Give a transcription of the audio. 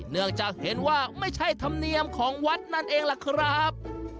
เนื่องจากเห็นว่าไม่ใช่ธรรมเนียมของวัดนั่นเองล่ะครับ